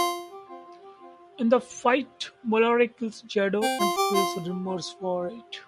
In the fight Mollari kills Jaddo and feels remorse for it.